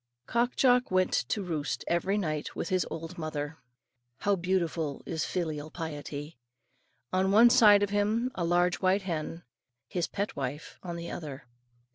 Cock Jock went to roost every night with his old mother how beautiful is filial piety! on one side of him, and a large white hen, his pet wife, on the other.